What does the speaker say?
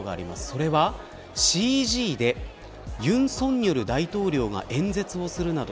それはＣＧで、尹錫悦大統領が演説をするなど